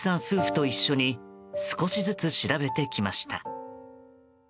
夫婦と一緒に少しずつ調べてきました。